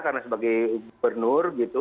karena sebagai gubernur gitu